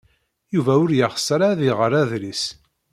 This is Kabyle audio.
Yuba ur yeɣs ara ad iɣer adlis.